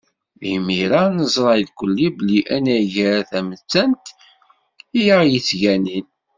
Imir-a, neẓra irkelli belli anagar tamettant i aɣ-yettganin.